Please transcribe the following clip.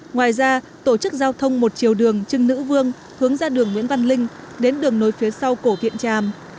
ngoài ra tổ chức giao thông một chiều đường trưng nữ vương hướng ra đường nguyễn văn linh đến đường nối phía sau cổ viện tràm